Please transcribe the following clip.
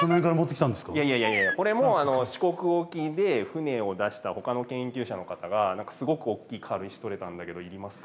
いやいやこれも四国沖で船を出したほかの研究者の方が何かすごく大きい軽石採れたんだけどいりますか？